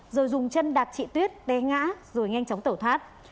rồi dùng chân đặt chị tuyết té ngã rồi nhanh chóng tẩu thoát